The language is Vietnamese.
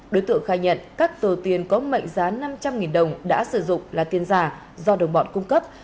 đối tượng khai nhận các tờ tiền có mệnh giá năm trăm linh đồng đã sử dụng là tiền giả do đồng bọn cung cấp